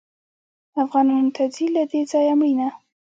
افغانانو ته ځي له دې ځایه مړینه